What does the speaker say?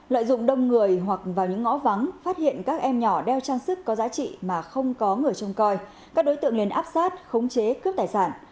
lợi dụng đông người hoặc vào những ngõ vắng phát hiện các em nhỏ đeo trang sức có giá trị mà không có người trông coi các đối tượng lên áp sát khống chế cướp tài sản